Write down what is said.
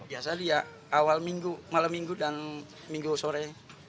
biasanya awal minggu malam minggu dan minggu sore